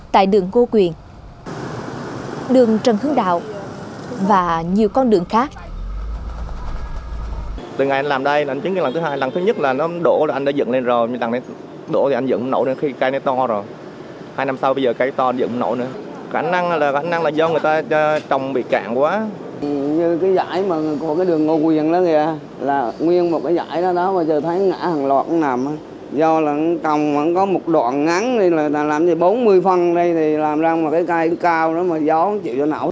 tại đường cô quyền đường trần hướng đạo và nhiều con đường khác